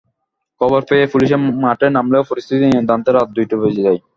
খবর পেয়ে পুলিশ মাঠে নামলেও পরিস্থিতি নিয়ন্ত্রণে আনতে রাত দুইটা বেজে যায়।